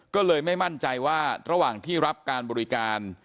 ก็เลยไม่มั่นใจว่าระหว่างที่รับการบริการ